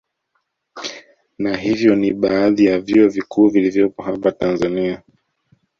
Na hivyo ni baadhi ya vyuo vikuu vilivyopo hapa Tanzania